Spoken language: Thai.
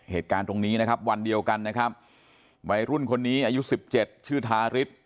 เหตุการณ์ตรงนี้วันเดียวกันนะครับวัยรุ่นนี้อายุ๑๗ชื่อธาริส